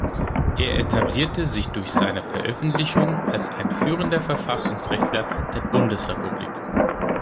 Er etablierte sich durch seine Veröffentlichungen als ein führender Verfassungsrechtler der Bundesrepublik.